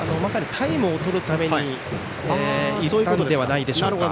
タイムを取るために行ったのではないでしょうか。